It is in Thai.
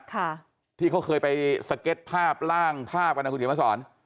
ค่ะที่เขาเคยไปสเก็ตภาพร่างภาพกันนะคุณเขียนมาสอน